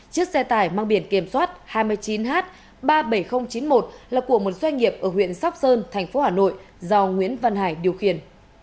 chiếc xe tải mang biển kiểm soát hai mươi chín h ba mươi bảy nghìn chín mươi một là của một doanh nghiệp ở huyện sóc sơn thành phố hà nội do nguyễn văn hải điều khiển